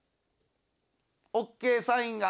ＯＫサインが。